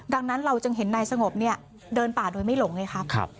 ดังนั้นเราจึงเห็นนายสงบเนี่ยเดินป่าโดยไม่หลงไงครับ